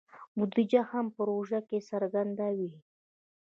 بودیجه هم په پروژه کې څرګنده وي.